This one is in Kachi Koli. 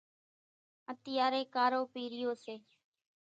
اتيارين ڪارو پِيرِيو سي۔